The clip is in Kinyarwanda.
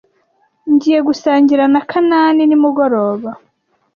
Ngiye gusangira na Kanani nimugoroba.